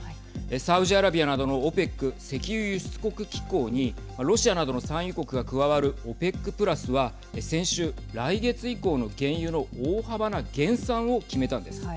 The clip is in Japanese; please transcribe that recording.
サウジアラビアなどのＯＰＥＣ＝石油輸出国機構にロシアなどの産油国が加わるＯＰＥＣプラスは先週、来月以降の原油の大幅な減産を決めたんです。